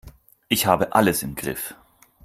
Ich habe alles im Griff.